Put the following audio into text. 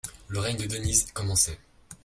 Le règne de Denise commençait.